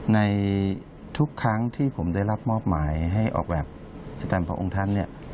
ในทุกครั้งที่ผมได้รับมอบหมายให้ออกแบบประจำพระองค์ท่านเนี่ย